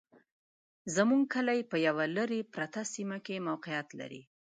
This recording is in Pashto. زموږ کلي په يوه لري پرته سيمه کي موقعيت لري